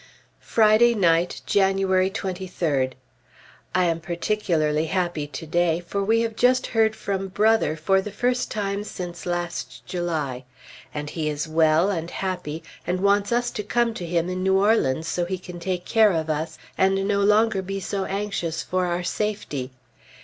Friday night, January 23d. I am particularly happy to day, for we have just heard from Brother for the first time since last July. And he is well, and happy, and wants us to come to him in New Orleans so he can take care of us, and no longer be so anxious for our safety.